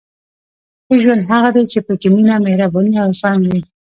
• ښه ژوند هغه دی چې پکې مینه، مهرباني او زغم وي.